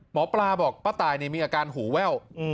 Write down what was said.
หมอปลาบอกป้าตายมีอาการหูแว่ว